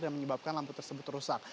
dan menyebabkan lampu tersebut rusak